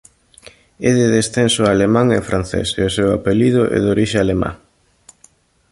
É de descenso alemán e francés e o seu apelido é de orixe alemá.